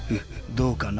どうかな？